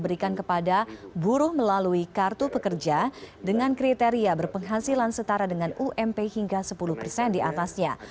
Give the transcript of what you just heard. berikan kepada buruh melalui kartu pekerja dengan kriteria berpenghasilan setara dengan ump hingga sepuluh persen diatasnya